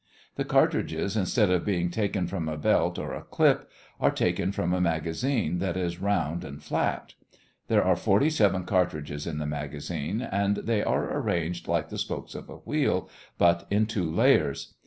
The cartridges, instead of being taken from a belt or a clip, are taken from a magazine that is round and flat. There are forty seven cartridges in the magazine and they are arranged like the spokes of a wheel, but in two layers.